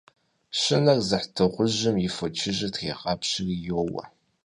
Щынэр зыхь дыгъужьым и фочыжьыр трегъапщэри йоуэ.